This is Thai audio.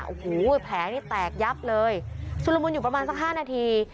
โอ้โหแผลนี่แตกยับเลยชุดละมุนอยู่ประมาณสักห้านาที